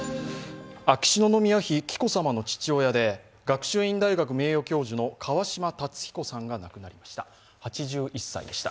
秋篠宮妃・紀子さまの父親で学習院大学名誉教授の川嶋辰彦さんが亡くなりました。